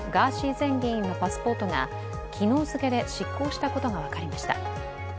前議員のパスポートが昨日付で失効したことが分かりました。